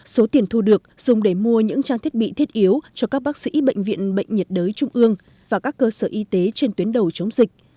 số tiền thu được dùng để mua những trang thiết bị thiết yếu cho các bác sĩ bệnh viện bệnh nhiệt đới trung ương và các cơ sở y tế trên tuyến đầu chống dịch